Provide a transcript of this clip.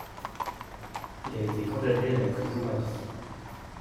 Il a été condamné à la prison à vie.